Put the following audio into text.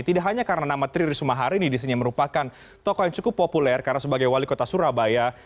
tidak hanya karena nama tri risma hari ini disini merupakan tokoh yang cukup populer karena sebagai wali kota surabaya